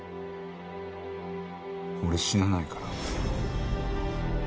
俺死なないから。